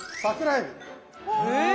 え！